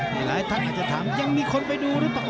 นี่หลายท่านอาจจะถามยังมีคนไปดูหรือเปล่า